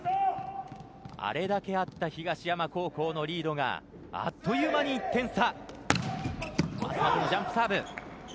あれだけあった東山高校のリードがあっという間に１点差。